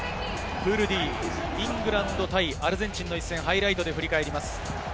プールＤ、イングランド対アルゼンチンの一戦をハイライトで振り返ります。